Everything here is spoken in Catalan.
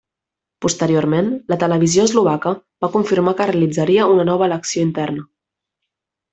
Posteriorment, la televisió eslovaca va confirmar que realitzaria una nova elecció interna.